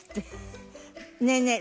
ねえねえ